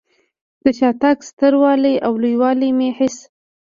د شاتګ ستر والی او لوی والی مې هېڅ.